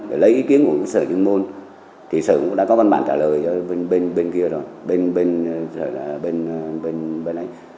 để lấy ý kiến của sở chương môn thì sở cũng đã có văn bản trả lời cho bên kia rồi